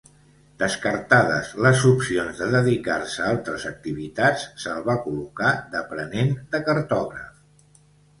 Descartades les opcions de dedicar-se a altres activitats, se'l va col·locar d'aprenent de cartògraf.